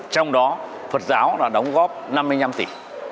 trong đó phật giáo đã đóng góp năm mươi năm tỷ